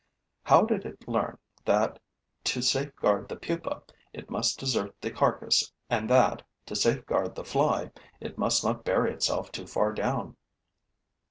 How did it learn that, to safeguard the pupa, it must desert the carcass and that, to safeguard the fly, it must not bury itself too far down?